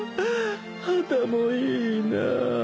肌もいいなぁ。